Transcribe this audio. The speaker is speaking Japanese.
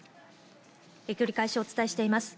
繰り返しお伝えしています。